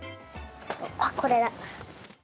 あっこれだ。